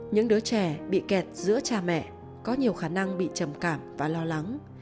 những đứa trẻ bị kẹt giữa cha mẹ có nhiều khả năng bị trầm cảm và lo lắng